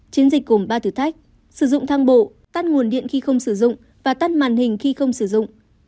chiến dịch gồm ba thử thách sử dụng thang bộ tắt nguồn điện khi không sử dụng và tắt màn hình khi không sử dụng